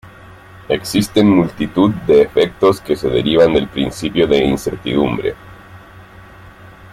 Existen multitud de efectos que se derivan del principio de incertidumbre.